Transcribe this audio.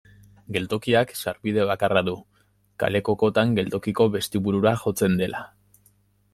Geltokiak sarbide bakarra du, kaleko kotan geltokiko bestibulura jotzen dela.